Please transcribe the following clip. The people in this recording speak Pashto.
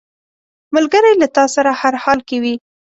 ملګری له تا سره هر حال کې وي